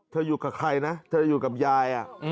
อยู่กับใครนะเธออยู่กับยาย